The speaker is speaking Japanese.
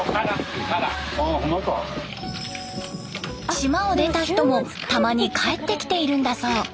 島を出た人もたまに帰ってきているんだそう。